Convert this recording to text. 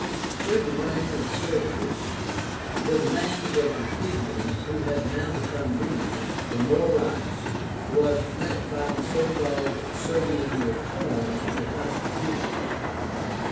During the reign of Servius the demands of the plebeians, who had now become numerous, for more rights, was met by the so called SERVIAN reform of the constitution.